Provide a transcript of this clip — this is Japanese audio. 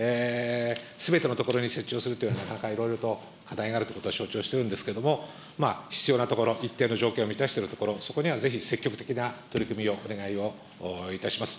すべての所に設置をするというのはなかなかいろいろと課題があるということは承知をしているんですけれども、必要な所、一定の条件を満たしている所、そこにはぜひ積極的な取り組みをお願いをいたします。